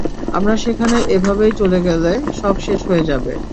আমরা সেখানে এভাবেই চলে গেলে, সব শেষ হয়ে যাবে।